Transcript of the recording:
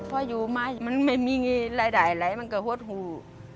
พออยู่มามันไม่มีอะไรเลยมันก็หวัดหู